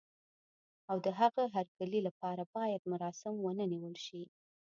او د هغه د هرکلي لپاره باید مراسم ونه نیول شي.